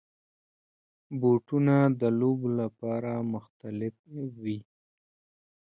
بوټونه د لوبو لپاره مختلف وي.